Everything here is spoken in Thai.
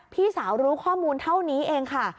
พี่สาวรู้ข้อมูลเท่านี้เองค่ะ